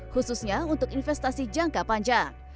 khususnya untuk investasi jangka panjang